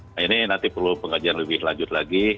nah ini nanti perlu pengajian lebih lanjut lagi